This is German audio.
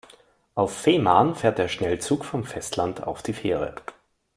Auf Fehmarn fährt der Schnellzug vom Festland auf die Fähre.